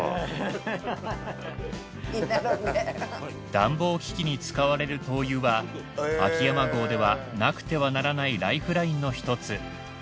暖房機器に使われる灯油は秋山郷ではなくてはならないライフラインのひとつ。